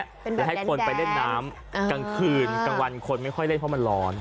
แล้วให้คนไปเล่นน้ำกลางคืนกลางวันคนไม่ค่อยเล่นเพราะมันร้อน